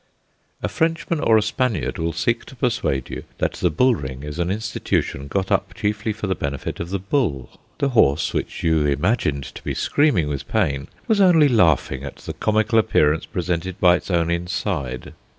A Frenchman or a Spaniard will seek to persuade you that the bull ring is an institution got up chiefly for the benefit of the bull. The horse which you imagined to be screaming with pain was only laughing at the comical appearance presented by its own inside.